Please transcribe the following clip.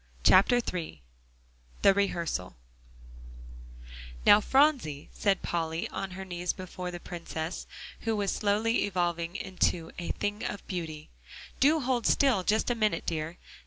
III THE REHEARSAL "Now, Phronsie," said Polly, on her knees before the Princess, who was slowly evolving into "a thing of beauty," "do hold still just a minute, dear.